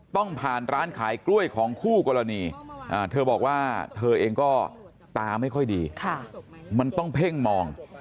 ต้องผ่านร้านขายกล้วยของคู่กรณีเธอบอกว่าเธอเองก็ตาไม่ค่อยดีมันต้องเพ่งมอง